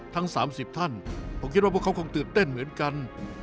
ทั้ง๓๐ท่านผมคิดว่าพวกเขาคงตื่นเต้นเหมือนกัน